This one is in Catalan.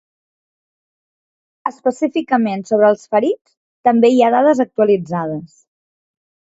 Específicament sobre els ferits, també hi ha dades actualitzades.